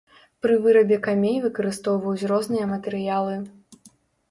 Пры вырабе камей выкарыстоўваюць розныя матэрыялы.